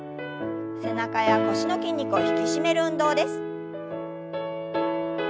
背中や腰の筋肉を引き締める運動です。